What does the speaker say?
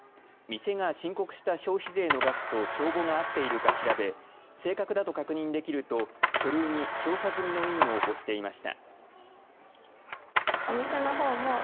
店が申告した消費税の額と帳簿が合っているか調べ正確だと確認できると、書類に調査済みの印を押していました。